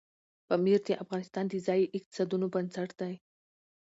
پامیر د افغانستان د ځایي اقتصادونو بنسټ دی.